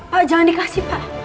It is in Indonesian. pak jangan dikasih pak